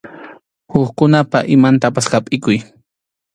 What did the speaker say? Hukkunapa imantapas hapʼikuy.